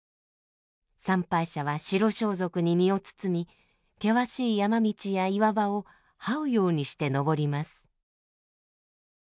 参拝者は白装束に身を包み険しい山道や岩場を這うようにして登ります。